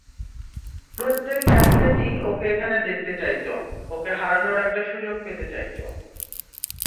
প্রত্যেক অ্যাথলেটই ওঁকে এখানে দেখতে চাইত, ওঁকে হারানোর একটা সুযোগ পেতে চাইত।